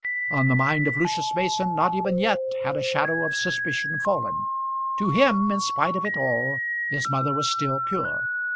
On the mind of Lucius Mason not even yet had a shadow of suspicion fallen. To him, in spite of it all, his mother was still pure.